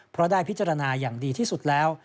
เพราะได้พิจารณาอย่างดีที่สุดแล้ว